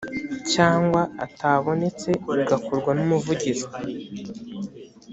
cyangwa atabonetse bigakorwa n umuvugizi